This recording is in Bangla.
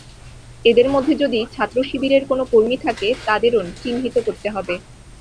এদের মধ্যে যদি ছাত্রশিবিরের কোনো কর্মী থাকে, তাদেরও চিহ্নিত করতে হবে।